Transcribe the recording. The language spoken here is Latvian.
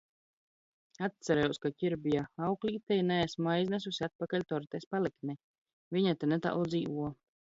Atcerējos, ka Ķirbja auklītei neesmu aiznesusi atpakaļ tortes paliktni. Viņa te netālu dzīvo.